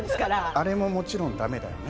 あれも、もちろんだめだよね。